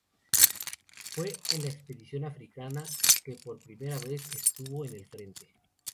Fue en la expedición africana que por primera vez estuvo en el frente.